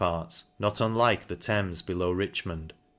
parts not unlike the Thames below Richmond.